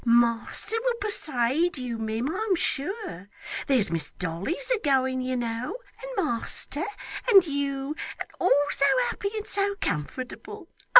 Master will persuade you, mim, I'm sure. There's Miss Dolly's a going you know, and master, and you, and all so happy and so comfortable.